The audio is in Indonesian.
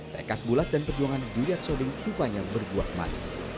rekat bulat dan perjuangan duyak soding rupanya berbuah manis